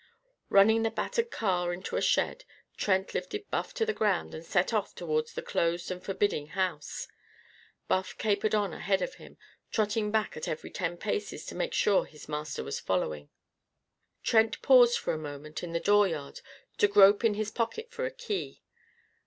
Running the battered car into a shed, Trent lifted Buff to the ground and set off towards the closed and forbidding house. Buff capered on ahead of him, trotting back at every ten paces to make sure his master was following. Trent paused for a moment in the dooryard, to grope in his pocket for a key.